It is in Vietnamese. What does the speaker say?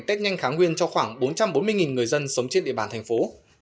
tết nhanh kháng nguyên cho khoảng bốn trăm bốn mươi người dân sống trên địa bàn thành phố